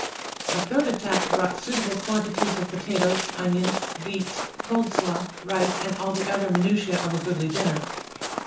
A third attack brought suitable quantities of potatoes, onions, beets, coldslaw, rice, and all the other minutiae of a goodly dinner.